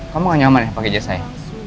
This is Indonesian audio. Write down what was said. kamu gak nyaman ya pakai jaz saya